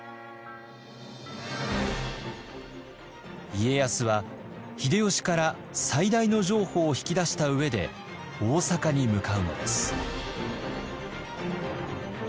家康は秀吉から最大の譲歩を引き出した上で大坂に向かうのです。